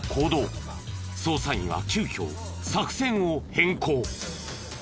捜査員は急きょ作戦を変更。